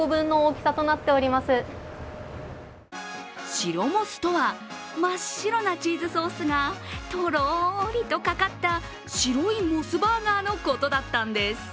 白モスとは真っ白なチーズソースがとろりとかかった白いモスバーガーのことだったんです。